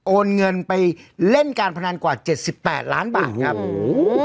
โอนเงินไปเล่นการพนันกว่าเจ็ดสิบแปดล้านบาทครับโอ้โห